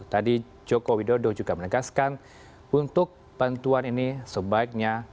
tadi joko widodo juga menegaskan untuk bantuan ini sebaiknya